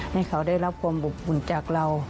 ให้เขาได้รับความอบอุ่นจากเรา